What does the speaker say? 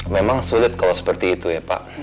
memang sulit kalau seperti itu ya pak